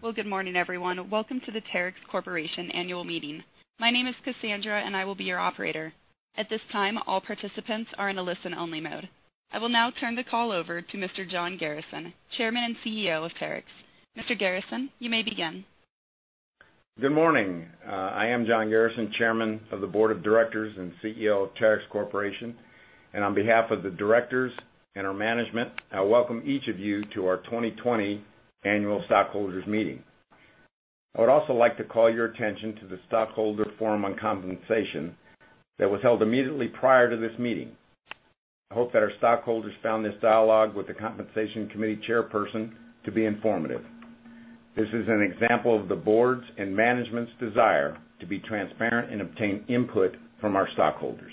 Well, good morning, everyone. Welcome to the Terex Corporation Annual Meeting. My name is Cassandra, and I will be your operator. At this time, all participants are in a listen-only mode. I will now turn the call over to Mr. John Garrison, Chairman and CEO of Terex. Mr. Garrison, you may begin. Good morning. I am John Garrison, Chairman of the Board of Directors and CEO of Terex Corporation, and on behalf of the directors and our management, I welcome each of you to our 2020 annual stockholders meeting. I would also like to call your attention to the stockholder forum on compensation that was held immediately prior to this meeting. I hope that our stockholders found this dialogue with the Compensation Committee chairperson to be informative. This is an example of the board's and management's desire to be transparent and obtain input from our stockholders.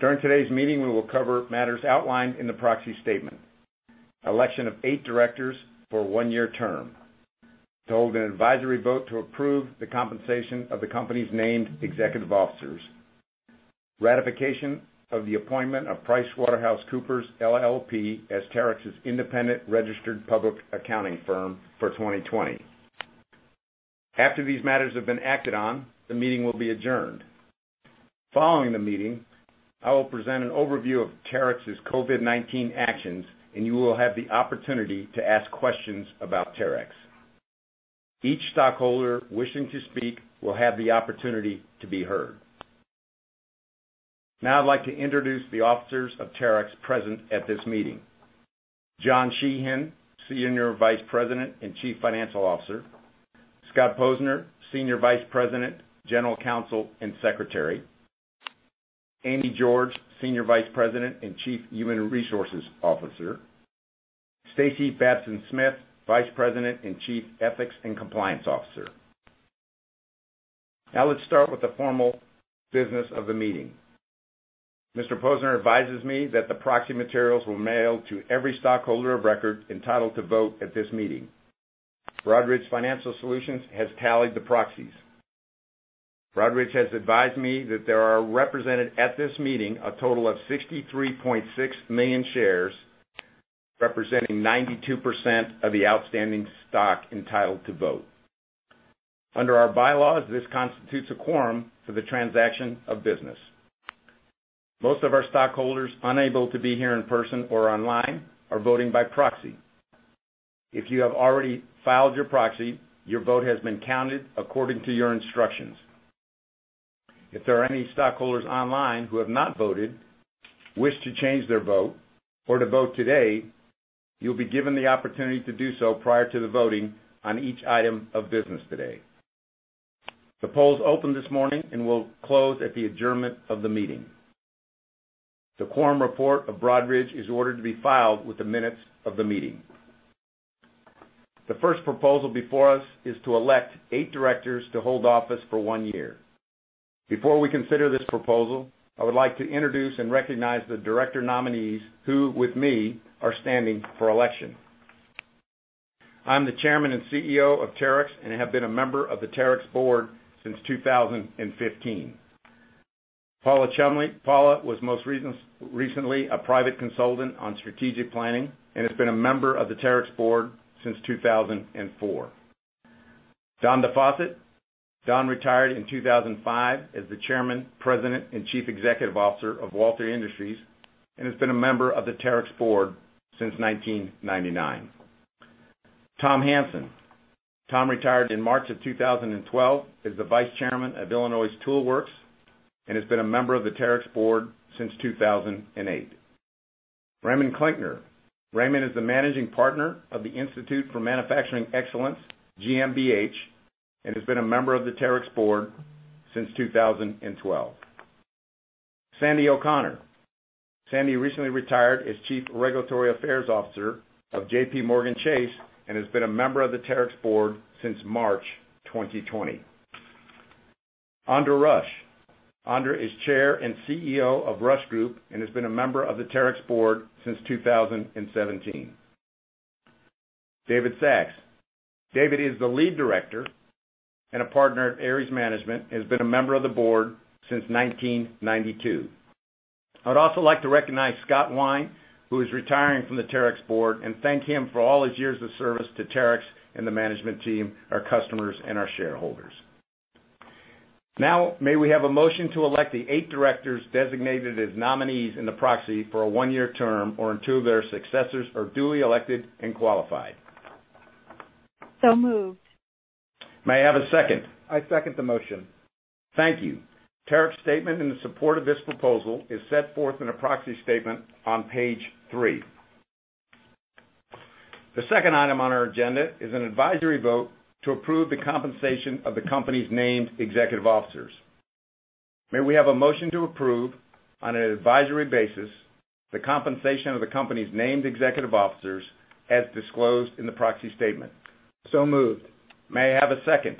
During today's meeting, we will cover matters outlined in the proxy statement. Election of eight directors for a one-year term. To hold an advisory vote to approve the compensation of the company's named executive officers. Ratification of the appointment of PricewaterhouseCoopers, LLP, as Terex's independent registered public accounting firm for 2020. After these matters have been acted on, the meeting will be adjourned. Following the meeting, I will present an overview of Terex's COVID-19 actions, and you will have the opportunity to ask questions about Terex. Each stockholder wishing to speak will have the opportunity to be heard. Now I'd like to introduce the officers of Terex present at this meeting. John Sheehan, Senior Vice President and Chief Financial Officer. Scott Posner, Senior Vice President, General Counsel and Secretary. Amy George, Senior Vice President and Chief Human Resources Officer. Stacey Babson-Smith, Vice President and Chief Ethics and Compliance Officer. Now let's start with the formal business of the meeting. Mr. Posner advises me that the proxy materials were mailed to every stockholder of record entitled to vote at this meeting. Broadridge Financial Solutions has tallied the proxies. Broadridge has advised me that there are represented at this meeting a total of 63.6 million shares, representing 92% of the outstanding stock entitled to vote. Under our bylaws, this constitutes a quorum for the transaction of business. Most of our stockholders unable to be here in person or online are voting by proxy. If you have already filed your proxy, your vote has been counted according to your instructions. If there are any stockholders online who have not voted, wish to change their vote, or to vote today, you'll be given the opportunity to do so prior to the voting on each item of business today. The polls opened this morning and will close at the adjournment of the meeting. The quorum report of Broadridge is ordered to be filed with the minutes of the meeting. The first proposal before us is to elect eight directors to hold office for one year. Before we consider this proposal, I would like to introduce and recognize the director nominees who, with me, are standing for election. I'm the Chairman and CEO of Terex and have been a member of the Terex board since 2015. Paula Cholmondeley. Paula was most recently a private consultant on strategic planning and has been a member of the Terex board since 2004. Don DeFosset. Don retired in 2005 as the Chairman, President, and Chief Executive Officer of Walter Industries and has been a member of the Terex board since 1999. Tom Hansen. Tom retired in March of 2012 as the Vice Chairman of Illinois Tool Works and has been a member of the Terex board since 2008. Raimund Klinkner. Raimund is the Managing Partner of the Institute for Manufacturing Excellence, GmbH, and has been a member of the Terex board since 2012. Sandie O'Connor. Sandie recently retired as Chief Regulatory Affairs Officer of JPMorgan Chase and has been a member of the Terex board since March 2020. Andra Rush. Andra is Chair and CEO of Rush Group and has been a member of the Terex board since 2017. David Sachs. David is the Lead Director and a partner at Ares Management, and has been a member of the board since 1992. I would also like to recognize Scott Wine, who is retiring from the Terex board, and thank him for all his years of service to Terex and the management team, our customers, and our shareholders. May we have a motion to elect the eight directors designated as nominees in the proxy for a one-year term, or until their successors are duly elected and qualified? So moved. May I have a second? I second the motion. Thank you. Terex statement in support of this proposal is set forth in a proxy statement on page three. The second item on our agenda is an advisory vote to approve the compensation of the company's named executive officers. May we have a motion to approve on an advisory basis the compensation of the company's named executive officers as disclosed in the proxy statement? Moved. May I have a second?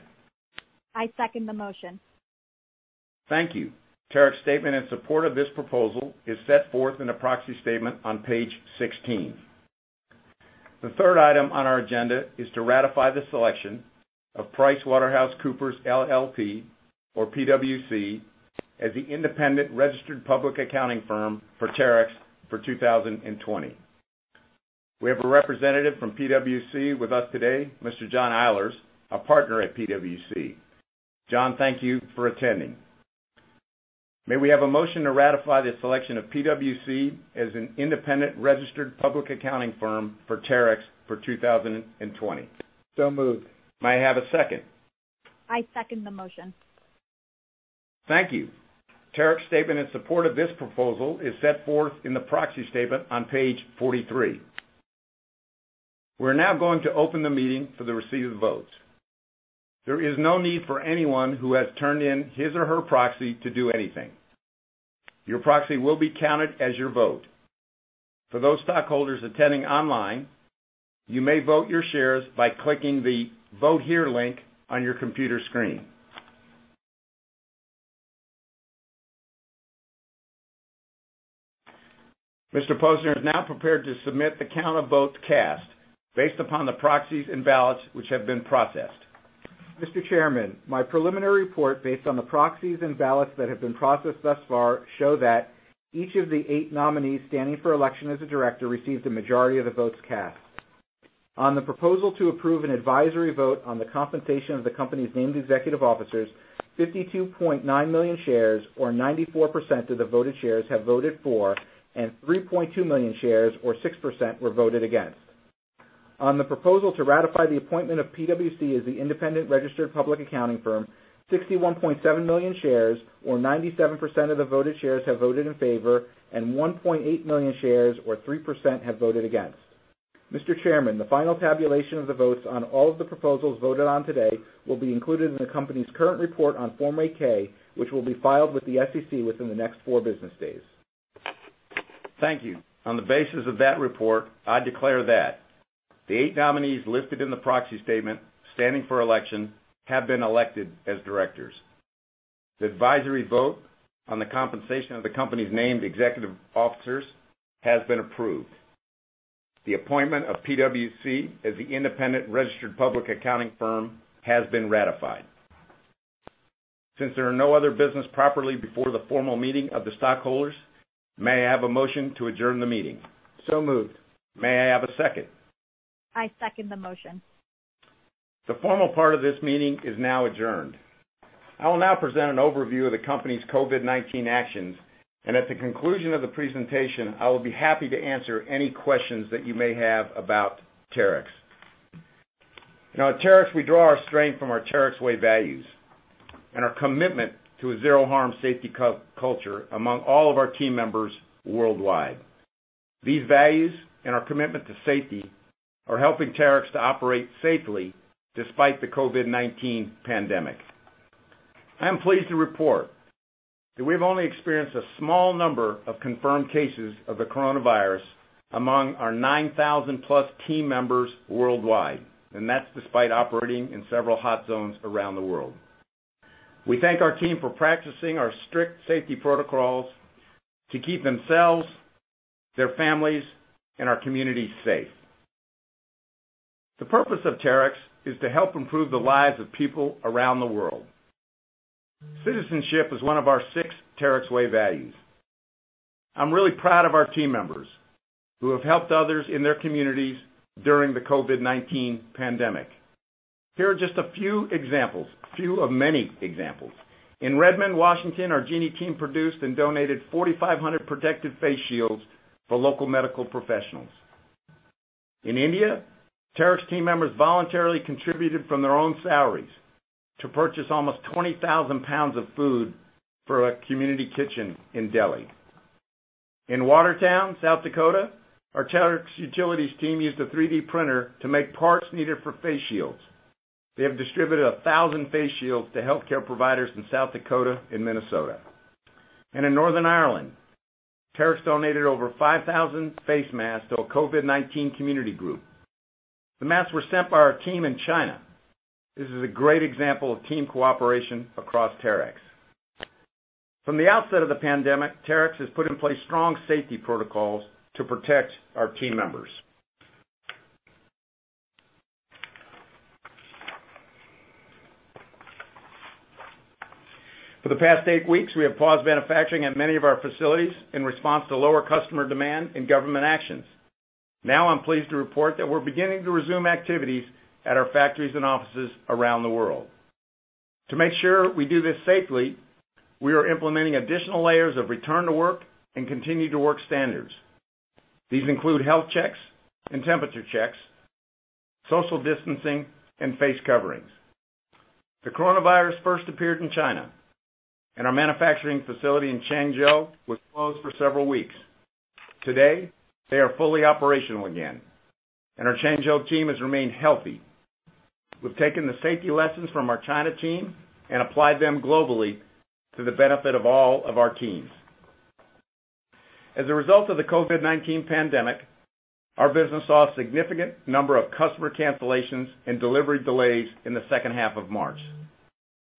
I second the motion. Thank you. Terex statement in support of this proposal is set forth in a proxy statement on page 16. The third item on our agenda is to ratify the selection of PricewaterhouseCoopers LLP or PwC as the independent registered public accounting firm for Terex for 2020. We have a representative from PwC with us today, Mr. John Eilers, a partner at PwC. John, thank you for attending. May we have a motion to ratify the selection of PwC as an independent registered public accounting firm for Terex for 2020? Moved. May I have a second? I second the motion. Thank you. Terex statement in support of this proposal is set forth in the proxy statement on page 43. We're now going to open the meeting for the receipt of votes. There is no need for anyone who has turned in his or her proxy to do anything. Your proxy will be counted as your vote. For those stockholders attending online, you may vote your shares by clicking the Vote Here link on your computer screen. Mr. Posner is now prepared to submit the count of votes cast based upon the proxies and ballots which have been processed. Mr. Chairman, my preliminary report based on the proxies and ballots that have been processed thus far show that each of the eight nominees standing for election as a director received a majority of the votes cast. On the proposal to approve an advisory vote on the compensation of the company's named executive officers, 52.9 million shares or 94% of the voted shares have voted for, and 3.2 million shares or 6% were voted against. On the proposal to ratify the appointment of PwC as the independent registered public accounting firm, 61.7 million shares or 97% of the voted shares have voted in favor, and 1.8 million shares or 3% have voted against. Mr. Chairman, the final tabulation of the votes on all of the proposals voted on today will be included in the company's current report on Form 8-K, which will be filed with the SEC within the next four business days. Thank you. On the basis of that report, I declare that the eight nominees listed in the proxy statement standing for election have been elected as directors. The advisory vote on the compensation of the company's named executive officers has been approved. The appointment of PwC as the independent registered public accounting firm has been ratified. Since there are no other business properly before the formal meeting of the stockholders, may I have a motion to adjourn the meeting? So moved. May I have a second? I second the motion. The formal part of this meeting is now adjourned. I will now present an overview of the company's COVID-19 actions, and at the conclusion of the presentation, I will be happy to answer any questions that you may have about Terex. Now at Terex, we draw our strength from our Terex Way values and our commitment to a Zero Harm safety culture among all of our team members worldwide. These values and our commitment to safety are helping Terex to operate safely despite the COVID-19 pandemic. I am pleased to report that we have only experienced a small number of confirmed cases of the coronavirus among our 9,000 plus team members worldwide, and that's despite operating in several hot zones around the world. We thank our team for practicing our strict safety protocols to keep themselves, their families, and our communities safe. The purpose of Terex is to help improve the lives of people around the world. Citizenship is one of our six Terex Way values. I'm really proud of our team members who have helped others in their communities during the COVID-19 pandemic. Here are just a few of many examples. In Redmond, Washington, our Genie team produced and donated 4,500 protective face shields for local medical professionals. In India, Terex team members voluntarily contributed from their own salaries to purchase almost 20,000 pounds of food for a community kitchen in Delhi. In Watertown, South Dakota, our Terex Utilities team used a 3D printer to make parts needed for face shields. They have distributed 1,000 face shields to healthcare providers in South Dakota and Minnesota. In Northern Ireland, Terex donated over 5,000 face masks to a COVID-19 community group. The masks were sent by our team in China. This is a great example of team cooperation across Terex. From the outset of the pandemic, Terex has put in place strong safety protocols to protect our team members. For the past eight weeks, we have paused manufacturing at many of our facilities in response to lower customer demand and government actions. Now I'm pleased to report that we're beginning to resume activities at our factories and offices around the world. To make sure we do this safely, we are implementing additional layers of return to work and continue to work standards. These include health checks and temperature checks, social distancing, and face coverings. The coronavirus first appeared in China, and our manufacturing facility in Changzhou was closed for several weeks. Today, they are fully operational again, and our Changzhou team has remained healthy. We've taken the safety lessons from our China team and applied them globally to the benefit of all of our teams. As a result of the COVID-19 pandemic, our business saw a significant number of customer cancellations and delivery delays in the second half of March.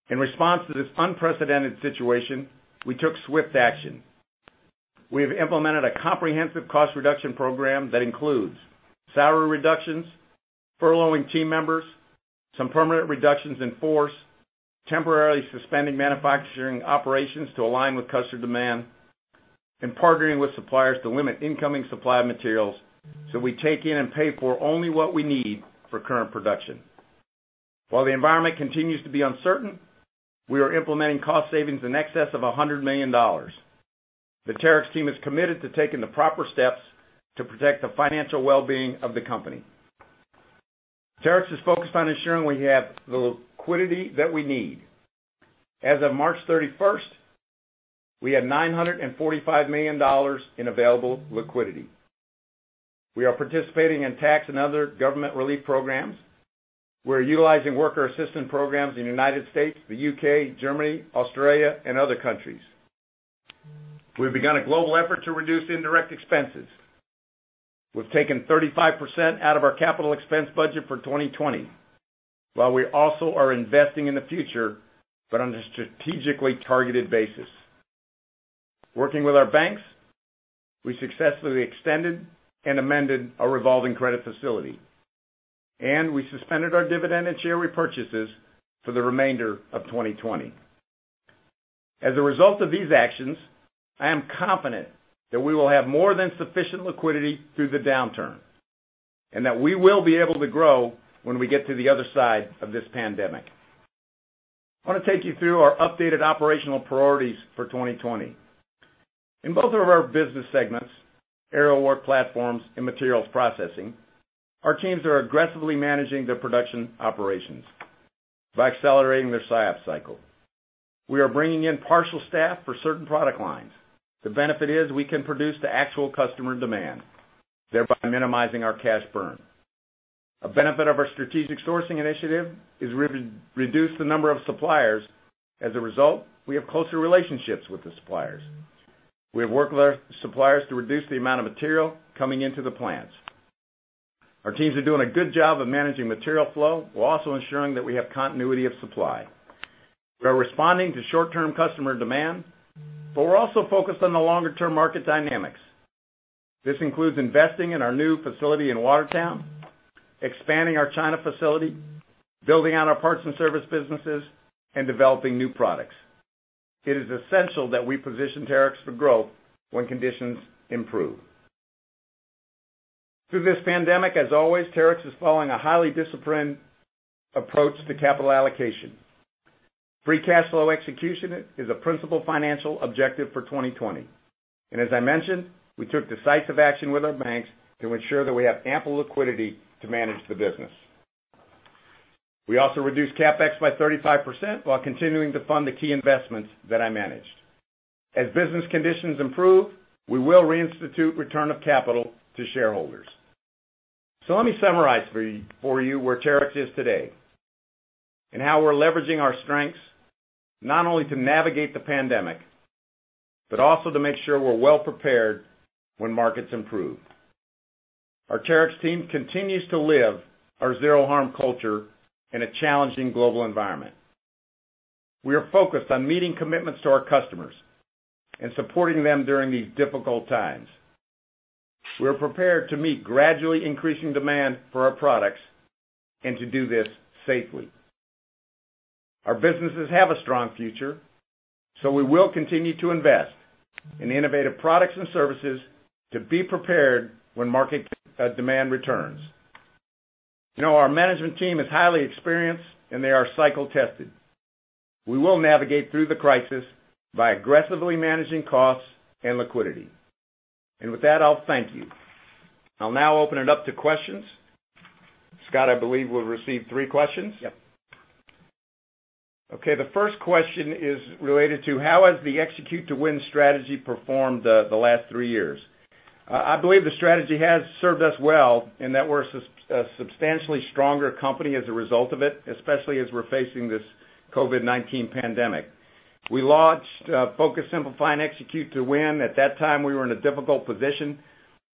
In response to this unprecedented situation, we took swift action. We have implemented a comprehensive cost reduction program that includes salary reductions, furloughing team members, some permanent reductions in force, temporarily suspending manufacturing operations to align with customer demand, and partnering with suppliers to limit incoming supply of materials so we take in and pay for only what we need for current production. The environment continues to be uncertain, we are implementing cost savings in excess of $100 million. The Terex team is committed to taking the proper steps to protect the financial well-being of the company. Terex is focused on ensuring we have the liquidity that we need. As of March 31st, we had $945 million in available liquidity. We are participating in tax and other government relief programs. We're utilizing worker assistant programs in the United States, the U.K., Germany, Australia, and other countries. We've begun a global effort to reduce indirect expenses. We've taken 35% out of our capital expense budget for 2020, while we also are investing in the future, but on a strategically targeted basis. Working with our banks, we successfully extended and amended our revolving credit facility, and we suspended our dividend and share repurchases for the remainder of 2020. As a result of these actions, I am confident that we will have more than sufficient liquidity through the downturn, and that we will be able to grow when we get to the other side of this pandemic. I want to take you through our updated operational priorities for 2020. In both of our business segments, Aerial Work Platforms and Materials Processing, our teams are aggressively managing their production operations by accelerating their SIOP cycle. We are bringing in partial staff for certain product lines. The benefit is we can produce to actual customer demand, thereby minimizing our cash burn. A benefit of our strategic sourcing initiative is reduce the number of suppliers. We have closer relationships with the suppliers. We have worked with our suppliers to reduce the amount of material coming into the plants. Our teams are doing a good job of managing material flow, while also ensuring that we have continuity of supply. We are responding to short-term customer demand, we're also focused on the longer-term market dynamics. This includes investing in our new facility in Watertown, expanding our China facility, building out our parts and service businesses, and developing new products. It is essential that we position Terex for growth when conditions improve. Through this pandemic, as always, Terex is following a highly disciplined approach to capital allocation. Free cash flow execution is a principal financial objective for 2020. As I mentioned, we took decisive action with our banks to ensure that we have ample liquidity to manage the business. We also reduced CapEx by 35% while continuing to fund the key investments that I mentioned. As business conditions improve, we will reinstitute return of capital to shareholders. Let me summarize for you where Terex is today and how we're leveraging our strengths, not only to navigate the pandemic, but also to make sure we're well-prepared when markets improve. Our Terex team continues to live our Zero Harm culture in a challenging global environment. We are focused on meeting commitments to our customers and supporting them during these difficult times. We're prepared to meet gradually increasing demand for our products and to do this safely. Our businesses have a strong future, so we will continue to invest in innovative products and services to be prepared when market demand returns. Our management team is highly experienced, and they are cycle-tested. We will navigate through the crisis by aggressively managing costs and liquidity. With that, I'll thank you. I'll now open it up to questions. Scott, I believe we've received three questions? Yep. Okay. The first question is related to how has the Execute to Win strategy performed the last three years? I believe the strategy has served us well and that we're a substantially stronger company as a result of it, especially as we're facing this COVID-19 pandemic. We launched Focus, Simplify, and Execute to Win. At that time, we were in a difficult position.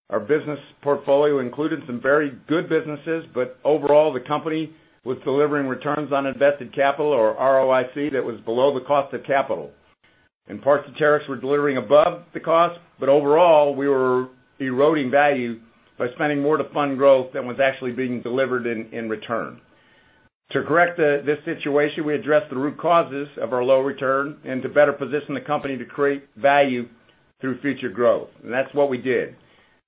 Our business portfolio included some very good businesses, but overall, the company was delivering returns on invested capital, or ROIC, that was below the cost of capital. Parts of Terex were delivering above the cost, but overall, we were eroding value by spending more to fund growth than was actually being delivered in return. To correct this situation, we addressed the root causes of our low return and to better position the company to create value through future growth. That's what we did.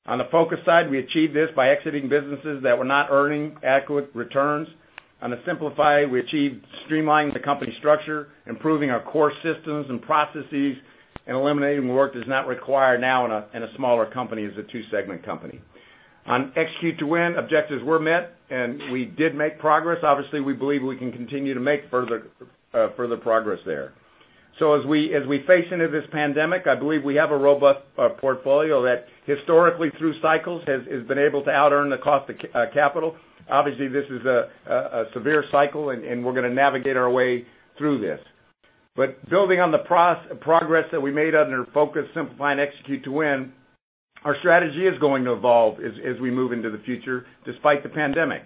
On the Focus side, we achieved this by exiting businesses that were not earning adequate returns. On the Simplify, we achieved streamlining the company structure, improving our core systems and processes, and eliminating work that's not required now in a smaller company as a two-segment company. On Execute to Win, objectives were met, and we did make progress. We believe we can continue to make further progress there. As we face into this pandemic, I believe we have a robust portfolio that historically through cycles has been able to outearn the cost of capital. This is a severe cycle, and we're going to navigate our way through this. Building on the progress that we made under Focus, Simplify, and Execute to Win. Our strategy is going to evolve as we move into the future, despite the pandemic.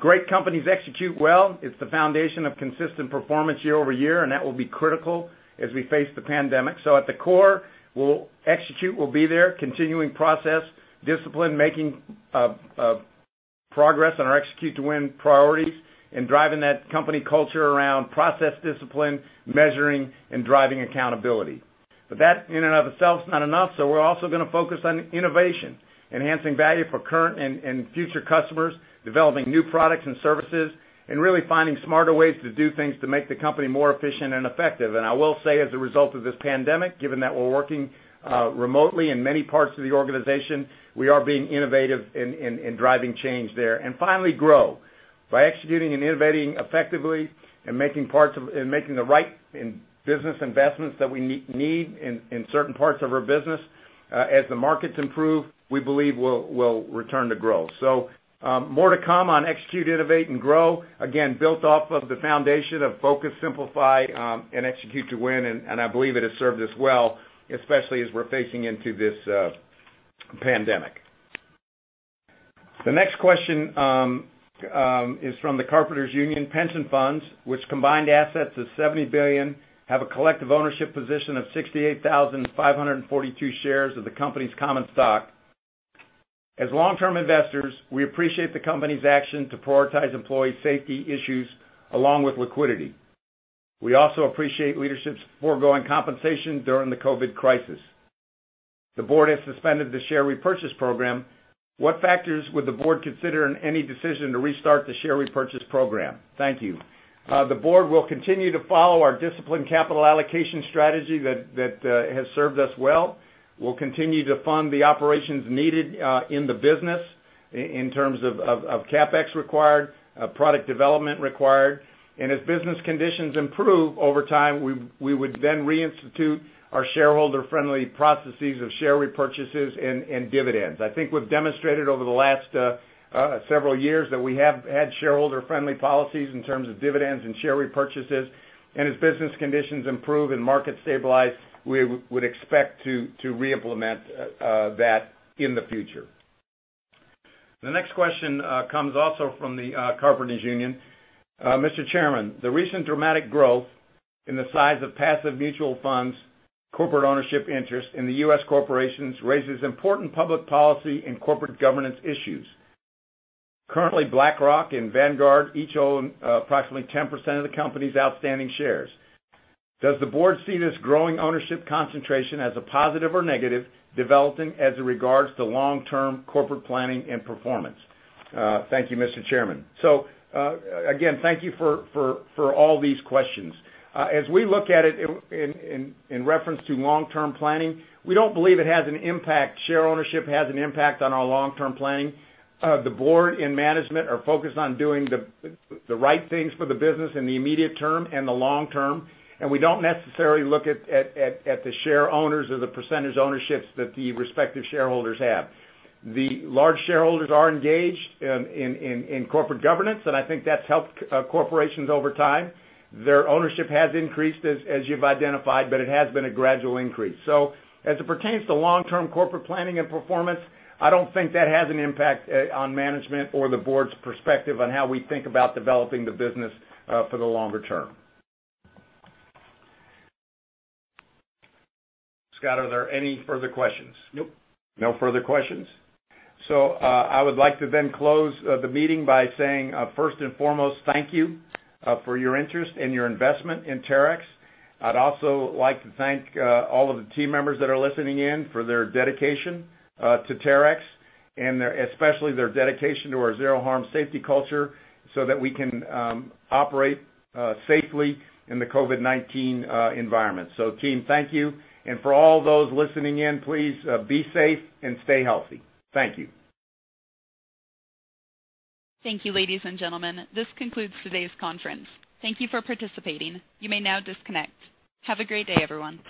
Great companies execute well. It's the foundation of consistent performance year-over-year. That will be critical as we face the pandemic. At the core, we'll execute, we'll be there, continuing process discipline, making progress on our Execute to Win priorities, and driving that company culture around process discipline, measuring, and driving accountability. That, in and of itself, is not enough. We're also going to focus on innovation, enhancing value for current and future customers, developing new products and services, and really finding smarter ways to do things to make the company more efficient and effective. I will say, as a result of this pandemic, given that we're working remotely in many parts of the organization, we are being innovative in driving change there. Finally, grow. By executing and innovating effectively and making the right business investments that we need in certain parts of our business, as the markets improve, we believe we'll return to growth. More to come on execute, innovate, and grow. Again, built off of the foundation of Focus, Simplify, Execute to Win, and I believe it has served us well, especially as we're facing into this pandemic. The next question is from the Carpenters Union Pension Funds, which combined assets of $70 billion have a collective ownership position of 68,542 shares of the company's common stock. As long-term investors, we appreciate the company's action to prioritize employee safety issues along with liquidity. We also appreciate leadership's foregoing compensation during the COVID-19 crisis. The board has suspended the share repurchase program. What factors would the board consider in any decision to restart the share repurchase program? Thank you. The board will continue to follow our discipline capital allocation strategy that has served us well. We'll continue to fund the operations needed in the business in terms of CapEx required, product development required. As business conditions improve over time, we would then reinstitute our shareholder-friendly processes of share repurchases and dividends. I think we've demonstrated over the last several years that we have had shareholder-friendly policies in terms of dividends and share repurchases. As business conditions improve and markets stabilize, we would expect to reimplement that in the future. The next question comes also from the Carpenters Union. Mr. Chairman, the recent dramatic growth in the size of passive mutual funds, corporate ownership interest in the U.S. corporations raises important public policy and corporate governance issues. Currently, BlackRock and Vanguard each own approximately 10% of the company's outstanding shares. Does the board see this growing ownership concentration as a positive or negative developing as it regards to long-term corporate planning and performance? Thank you, Mr. Chairman. Again, thank you for all these questions. As we look at it in reference to long-term planning, we don't believe share ownership has an impact on our long-term planning. The board and management are focused on doing the right things for the business in the immediate term and the long term, and we don't necessarily look at the share owners or the percentage ownerships that the respective shareholders have. The large shareholders are engaged in corporate governance, and I think that's helped corporations over time. Their ownership has increased, as you've identified, but it has been a gradual increase. As it pertains to long-term corporate planning and performance, I don't think that has an impact on management or the board's perspective on how we think about developing the business for the longer term. Scott, are there any further questions? Nope. No further questions. I would like to then close the meeting by saying, first and foremost, thank you for your interest and your investment in Terex. I'd also like to thank all of the team members that are listening in for their dedication to Terex and especially their dedication to our Zero Harm safety culture so that we can operate safely in the COVID-19 environment. Team, thank you. For all those listening in, please be safe and stay healthy. Thank you. Thank you, ladies and gentlemen. This concludes today's conference. Thank you for participating. You may now disconnect. Have a great day, everyone.